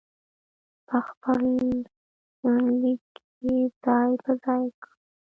په خپل يونليک کې ځاى په ځاى کړي